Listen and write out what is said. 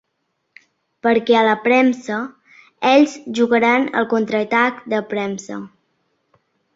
Perquè a la premsa, ells jugaran al contraatac de premsa.